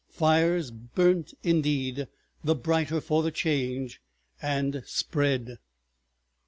Fires burnt indeed the brighter for the Change—and spread.